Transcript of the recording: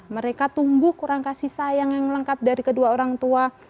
mereka tumbuh kurang kasih sayang yang lengkap dari kedua orang tua